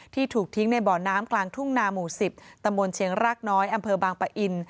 ถูกทิ้งในบ่อน้ำกลางทุ่งนาหมู่๑๐ตำบลเชียงรากน้อยอำเภอบางปะอิน